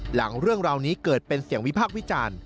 หลังเรื่องราวนี้เกิดเป็นเสียงวิพากษ์วิจารณ์